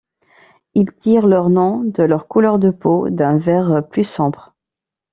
Ils tirent leur nom de leur couleur de peau, d'un vert plus sombre.